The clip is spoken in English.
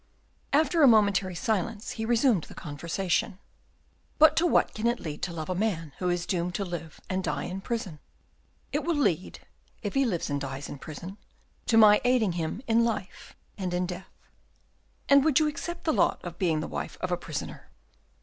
After a momentary silence, he resumed the conversation. "But to what can it lead to love a man who is doomed to live and die in prison?" "It will lead, if he lives and dies in prison, to my aiding him in life and in death." "And would you accept the lot of being the wife of a prisoner?"